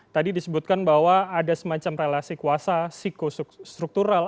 tadi disebutkan bahwa ada semacam relasi kuasa psikostruktural